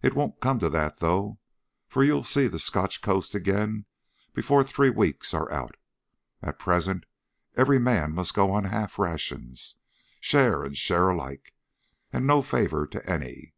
It won't come to that, though, for you'll see the Scotch coast again before three weeks are out. At present every man must go on half rations, share and share alike, and no favour to any.